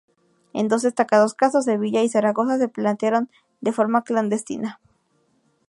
En dos destacados casos: Sevilla y Zaragoza, se plantearon de forma clandestina.